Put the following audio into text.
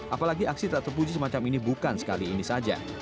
apalagi aksi tak terpuji semacam ini bukan sekali ini saja